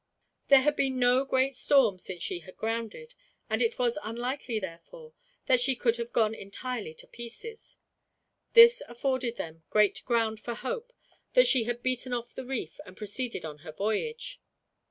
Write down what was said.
There had been no great storm since she had grounded; and it was unlikely, therefore, that she could have gone entirely to pieces. This afforded them great ground for hope that she had beaten off the reef, and proceeded on her voyage.